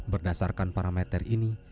berdasarkan parameter ini